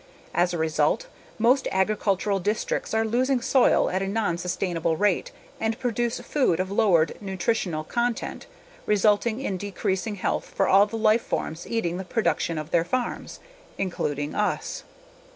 As a result, most agricultural districts are losing soil at a non sustainable rate and produce food of lowered nutritional content, resulting in decreasing health for all the life forms eating the production of our farms. Including us.